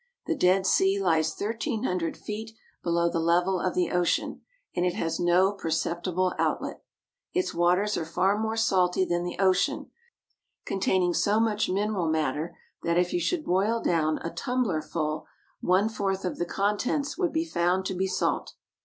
The Dead Sea lies thirteen hundred feet below the level of the ocean, and it has no perceptible outlet. Its waters are far more salty than the ocean, containing so much mineral matter that if you should boil down a tumbler full, one fourth of the contents would be found to be salt.